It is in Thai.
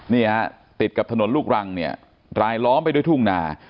นี่ฮะติดกับถนนลูกรังเนี่ยรายล้อมไปด้วยทุ่งนา